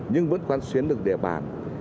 nhưng vẫn quan xuyến được địa bản